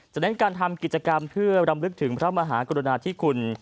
เน้นการทำกิจกรรมเพื่อรำลึกถึงพระมหากรุณาธิคุณ